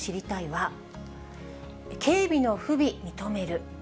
は、警備の不備認める。